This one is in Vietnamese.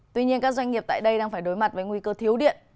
tuy nhiên các doanh nghiệp tại đây đang phải đối mặt với nguy cơ thiếu điện